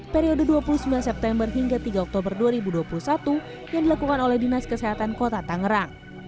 periode dua puluh sembilan september hingga tiga oktober dua ribu dua puluh satu yang dilakukan oleh dinas kesehatan kota tangerang